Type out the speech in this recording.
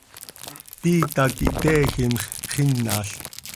Piita quih teejim x, xinal.